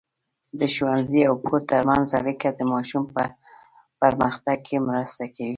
د ښوونځي او کور ترمنځ اړیکه د ماشوم په پرمختګ کې مرسته کوي.